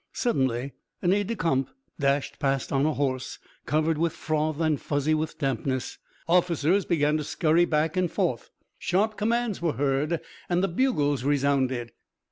Suddenly, an aide de camp dashed past on a horse, covered with froth and fuzzy with dampness. Officers began to scurry back and forth; sharp commands were heard; and the bugles resounded.